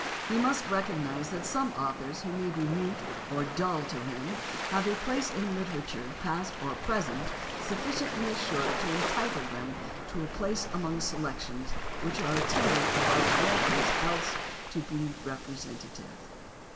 He must recognize that some authors who may be mute or dull to him have a place in literature, past or present, sufficiently assured AS TO ANTHOLOGIES 231 to entitle them to a place among selections which are intended above all things else to be representative.